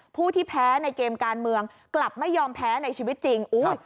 ผู้ที่แพ้ในเกมการเมืองกลับไม่ยอมแพ้ในชีวิตจริง